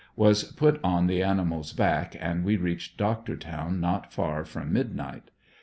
Was put on the animal's back and we reached Doctortown not far from midnight.